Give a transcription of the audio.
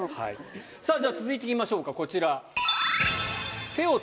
さぁじゃあ続いて行きましょうかこちら。